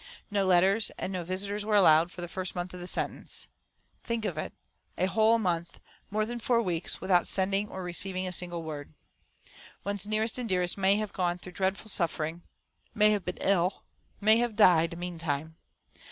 No letters and no visitors were allowed for the first month of the sentence. Think of it a whole month, more than four weeks, without sending or receiving a single word. One's nearest and dearest may have gone through dreadful suffering, may have been ill, may have died, meantime.